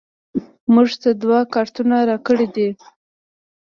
موږ ته دوه کارتونه راکړیدي